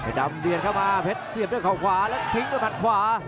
ดำเบียดเข้ามาเพชรเสียบด้วยเขาขวาแล้วทิ้งด้วยผัดขวา